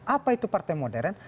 apa itu partai modern